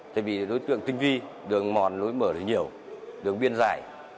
tại vì đối tượng tinh vi đường mòn đối mở rất nhiều đường biên dài